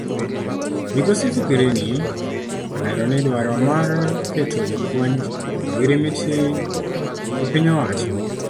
Migosi Fikirini olero ni duaro mar keto jopuonj e ogirimiti gi piny owacho.